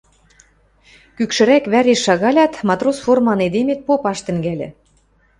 Кӱкшӹрӓк вӓреш шагалят, матрос форман эдемет попаш тӹнгӓльӹ.